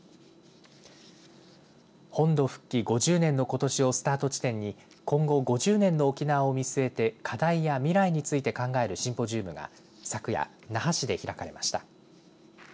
本土復帰５０年のことしをスタート地点に今後５０年の沖縄を見据えて課題や未来について考えるシンポジウムが昨夜、那覇市で開かれました。